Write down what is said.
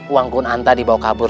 uang kunanta dibawa kabur